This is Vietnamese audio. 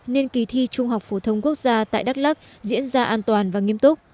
nên kỳ thi trung học phổ thông quốc gia tại đắk lắc diễn ra an toàn và nghiêm túc